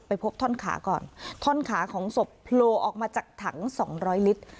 ไปพบถ้อนขาก่อนต้อนขาของศพโลออกมาจากถังสองร้อยลิตร